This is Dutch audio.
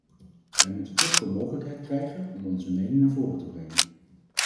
Wij moeten toch de mogelijkheid krijgen om onze mening naar voren te brengen.